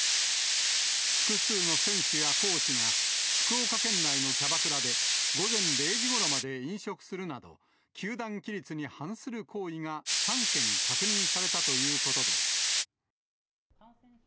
複数の選手やコーチが、福岡県内のキャバクラで、午前０時ごろまで飲食するなど、球団規律に反する行為が３件確認されたということです。